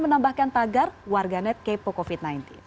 menambahkan tagar warganet kepo covid sembilan belas